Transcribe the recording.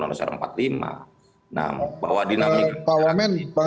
jadi saya rasa ini adalah perhubungan yang sangat penting